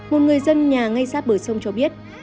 một người dân nhà ngay sát bờ sông cho biết